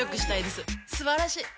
すばらしい！